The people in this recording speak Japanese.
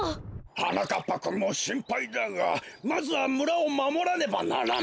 はなかっぱくんもしんぱいだがまずはむらをまもらねばならん。